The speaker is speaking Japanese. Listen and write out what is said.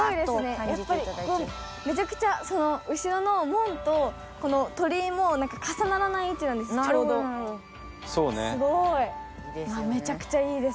やっぱりここめちゃくちゃ後ろの門とこの鳥居も重ならない位置なんです